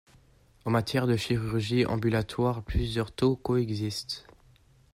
En matière de chirurgie ambulatoire, plusieurs taux coexistent.